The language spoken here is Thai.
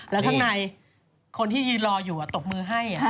แล้วข้างในคนที่ยืนรออยู่ตบมือให้